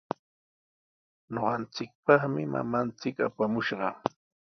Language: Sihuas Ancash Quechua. Ñuqanchikpaqmi mamanchik apamushqa.